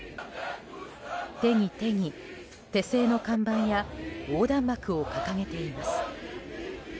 手に手に、手製の看板や横断幕を掲げています。